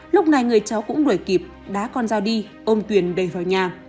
lúc này người cháu cũng đuổi kịp đá con dao đi ôm tuyền đẩy vào nhà